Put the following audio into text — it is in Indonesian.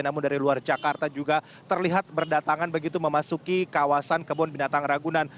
namun dari luar jakarta juga terlihat berdatangan begitu memasuki kawasan kebun binatang ragunan